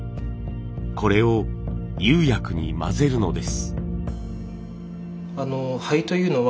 これを釉薬に混ぜるのです。